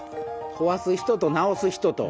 壊す人と治す人と。